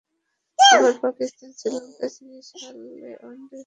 আবার পাকিস্তান শ্রীলঙ্কা সিরিজ হারলে ওয়েস্ট ইন্ডিজের চ্যাম্পিয়নস ট্রফি নিশ্চিত হয়ে যাবে।